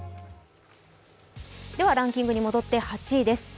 ではランキングに戻って８位です。